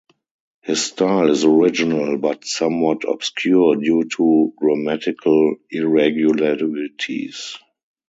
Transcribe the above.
His style is original, but somewhat obscure due to grammatical irregularities.